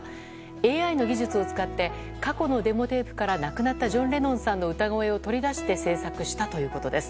ＡＩの技術を使って過去のデモテープから亡くなったジョン・レノンさんの歌声を取り出して制作したということです。